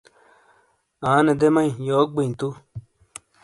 آنے دے مئی، یوک بئیں توُ؟